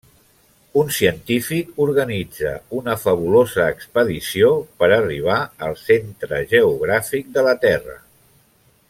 Un científic organitza una fabulosa expedició per arribar al centre geogràfic de la Terra.